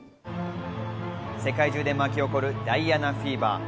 世界中で巻き起こるダイアナフィーバー。